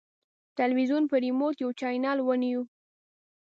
تلویزیون په ریموټ یو چینل ونیو.